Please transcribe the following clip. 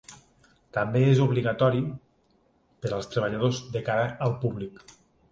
També és obligatori per als treballadors de cara al públic.